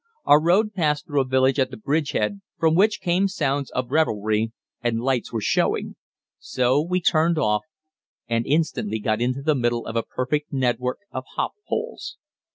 Our road passed through a village at a bridge head, from which came sounds of revelry and lights were showing; so we turned off, and instantly got into the middle of a perfect network of hop poles.